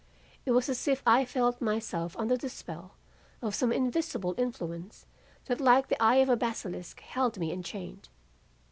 It was as if I felt myself under the spell of some invisible influence that like the eye of a basilisk, held me enchained.